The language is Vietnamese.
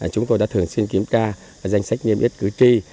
chúng tôi đã thường xuyên kiểm tra danh sách nghiêm yết cử tri